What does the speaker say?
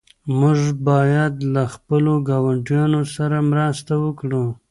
موږ باید له خپلو ګاونډیانو سره مرسته وکړو.